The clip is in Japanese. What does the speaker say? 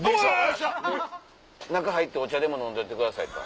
中入ってお茶でも飲んでてくださいと。